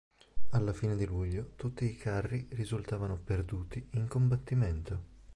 Alla fine di luglio tutti i carri risultavano perduti in combattimento.